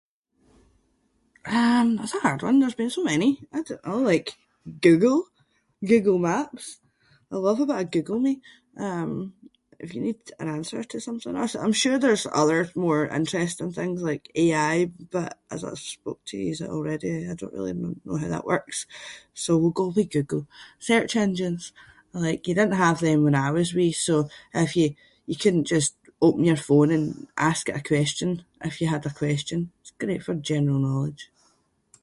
Um that’s a hard one, there’s been so many. I don't know, like Google, Google Maps. I love a bit of Google me. Um if you need an answer to something- I’m sure there’s other more interesting things like AI but as I spoke to youse already I don’t really kn- know how that works. So we’ll go with Google- search engines. Like you didn’t have them when I was wee so if you- you couldn’t just open your phone and ask it a question if you had a question. It’s great for general knowledge.